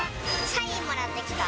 サインもらってきた。